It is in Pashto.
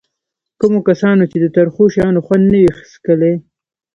کومو کسانو چې د ترخو شیانو خوند نه وي څکلی.